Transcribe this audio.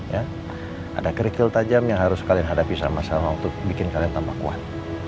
ya ada kerikil tajam yang harus kalian hadapi sama sama untuk bikin kalian tambah kuat